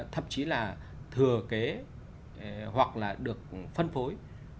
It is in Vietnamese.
thậm chí là thừa kế hoặc là được phân phối